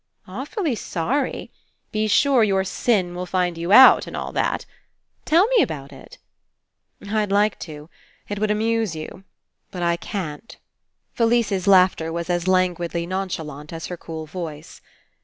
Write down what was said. "Awfully sorry. Be sure your sin will find you out and all that. Tell me about it." 'Td like to. It would amuse you. But I can't." Felise's laughter was as languidly non chalant as her cool voice.